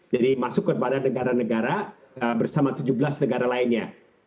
jadi masuk kepada negara negara bersama tujuh belas negara lainnya